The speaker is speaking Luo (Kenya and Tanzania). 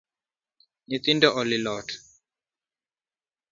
Nythindo olilo ot